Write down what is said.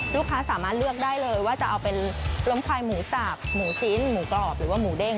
ลูกค้าสามารถเลือกได้เลยว่าจะเอาเป็นล้มควายหมูสับหมูชิ้นหมูกรอบหรือว่าหมูเด้ง